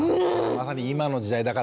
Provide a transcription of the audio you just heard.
まさに今の時代だからこそ。